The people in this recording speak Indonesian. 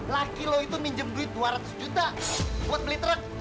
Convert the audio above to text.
laki loh itu minjem duit dua ratus juta buat beli truk